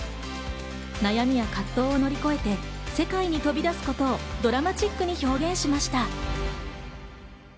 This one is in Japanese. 悩みや葛藤を乗り越えて世界に飛び出すことをドラマチックに表現しました。